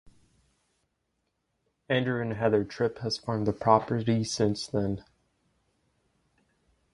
Andrew and Heather Tripp has farmed the property since then.